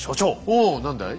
おお何だい？